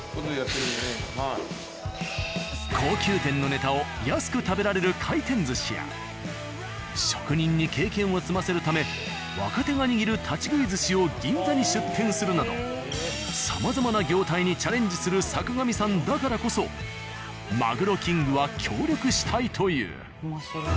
高級店のネタを安く食べられる回転寿司や職人に経験を積ませるため若手が握る立ち食い寿司を銀座に出店するなどさまざまな業態にチャレンジする坂上さんだからこそマグロキングは協力したいと言う。